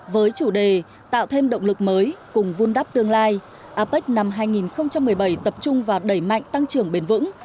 với chủ đề tạo thêm động lực mới cùng vun đắp tương lai apec năm hai nghìn một mươi bảy tập trung vào đẩy mạnh tăng trưởng bền vững